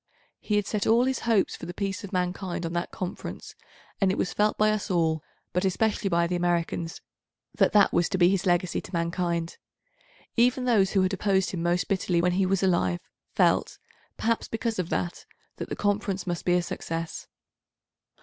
He had set all his hopes for the peace of mankind on that Conference, and it was felt by us all, but especially by the Americans, that that was to be his legacy to mankind. Even those who had opposed him most bitterly when he was alive felt, perhaps because of that, that the Conference must be a success.